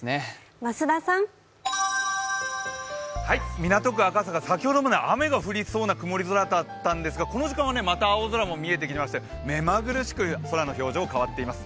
港区・赤坂、先ほどまで雨が降りそうな曇り空だったんですが、この時間はまた青空も見えてきまして、めまぐるしく空の表情、変わっています。